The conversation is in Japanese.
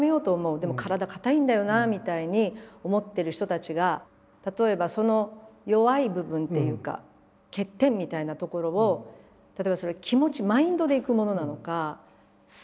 でも体硬いんだよなあみたいに思ってる人たちが例えばその弱い部分っていうか欠点みたいなところを例えばそれ気持ちマインドでいくものなのかセンスなのか。